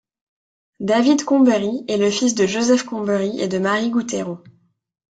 David Comberry est un fils de Joseph Comberry et de Marie Gouteyron.